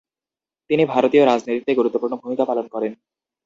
তিনি ভারতীয় রাজনীতিতে গুরুত্বপূর্ণ ভূমিকা পালন করেন।